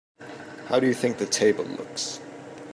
How do you think the table looks?